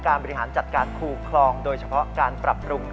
บริหารจัดการคู่คลองโดยเฉพาะการปรับปรุง